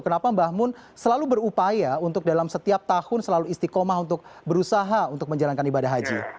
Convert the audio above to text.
kenapa mbah mun selalu berupaya untuk dalam setiap tahun selalu istiqomah untuk berusaha untuk menjalankan ibadah haji